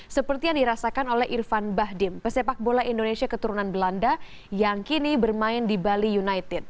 seperti yang dirasakan oleh irfan bahdim pesepak bola indonesia keturunan belanda yang kini bermain di bali united